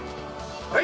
はい！